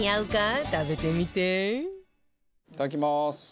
いただきます！